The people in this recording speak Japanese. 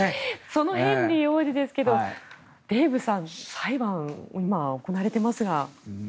そのヘンリー王子デーブさん裁判行われますが。